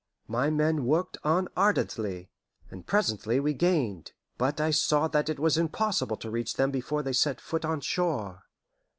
My men worked on ardently, and presently we gained. But I saw that it was impossible to reach them before they set foot on shore.